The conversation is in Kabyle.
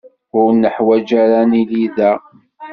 Ur naḥwaǧ ara ad nili da.